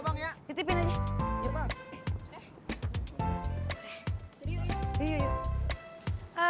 bang titip dulu bang ya titipin aja